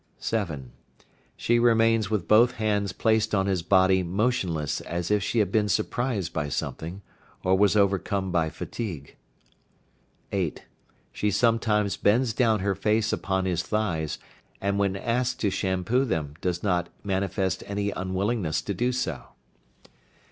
7. She remains with both hands placed on his body motionless as if she had been surprised by something, or was overcome by fatigue. 8. She sometimes bends down her face upon his thighs, and when asked to shampoo them does not manifest any unwillingness to do so.